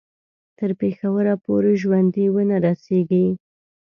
تر پېښوره پوري ژوندي ونه رسیږي.